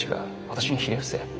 「私にひれ伏せ」。